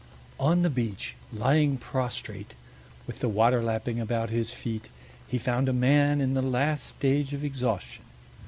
On the beach, lying prostrate, with the water lapping about his feet, he found a man in the last stage of exhaustion.